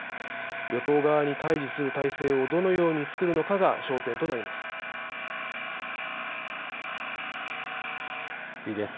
与党側に対じする体制をどのように作るのかが焦点となります。